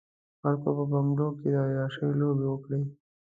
خلکو په بنګلو کې د عياشۍ لوبې وکړې.